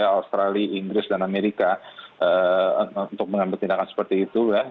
australia inggris dan amerika untuk mengambil tindakan seperti itu ya